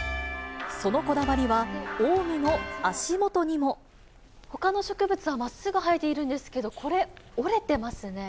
そのこだわりは、王蟲の足元にも。ほかの植物はまっすぐ生えているんですけど、これ、折れてますね。